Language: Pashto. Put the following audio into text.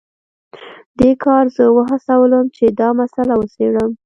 دې کار زه وهڅولم چې دا مسله وڅیړم